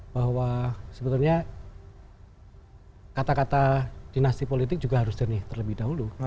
bahwa sebetulnya kata kata dinasti politik juga harus jernih terlebih dahulu